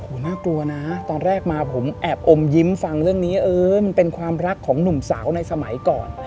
โอ้โหน่ากลัวนะตอนแรกมาผมแอบอมยิ้มฟังเรื่องนี้เออมันเป็นความรักของหนุ่มสาวในสมัยก่อน